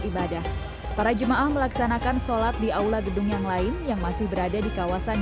ibadah para jemaah melaksanakan sholat di aula gedung yang lain yang masih berada di kawasan